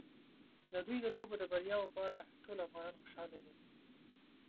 د دوی د لوبو د بریاوو په اړه ټول افغانان خوشاله دي.